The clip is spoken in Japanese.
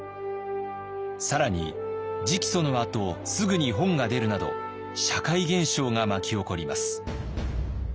更に直訴のあとすぐに本が出るなど社会現象が巻き起こります。